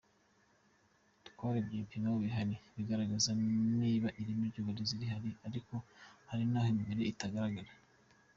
Twarebye ibipimo bihari bigaragaza niba ireme ry’uburezi rihari ariko hari aho imibare itagaragara.